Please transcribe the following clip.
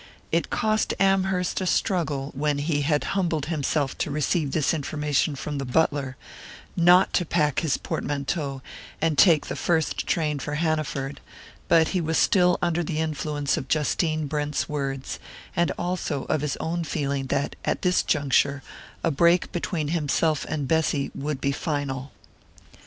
It cost Amherst a struggle, when he had humbled himself to receive this information from the butler, not to pack his portmanteau and take the first train for Hanaford; but he was still under the influence of Justine Brent's words, and also of his own feeling that, at this juncture, a break between himself and Bessy would be final.